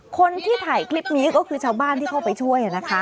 คนที่ถ่ายคลิปนี้ก็คือชาวบ้านที่เข้าไปช่วยนะคะ